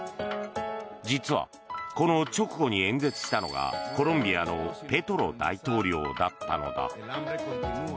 実はこの直後に演説したのがコロンビアのペトロ大統領だったのだ。